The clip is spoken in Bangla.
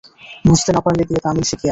বুঝতে না পারলে গিয়ে তামিল শিখে আয়।